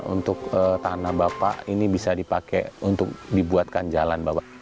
untuk tanah bapak ini bisa dipakai untuk dibuatkan jalan bapak